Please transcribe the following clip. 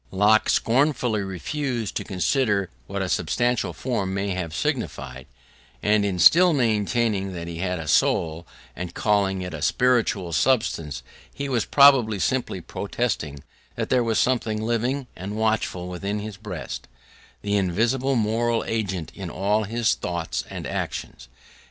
Locke scornfully refused to consider what a substantial form may have signified; and in still maintaining that he had a soul, and calling it a spiritual substance, he was probably simply protesting that there was something living and watchful within his breast, the invisible moral agent in all his thoughts and actions.